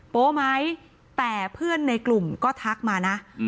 โป๊ไหมแต่เพื่อนในกลุ่มก็ทักมานะ